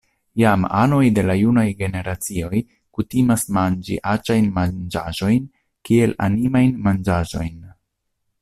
Jam anoj de la junaj generacioj kutimas manĝi aĉajn manĝaĵojn kiel “animajn manĝaĵojn.